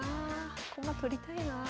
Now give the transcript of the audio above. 駒取りたいな。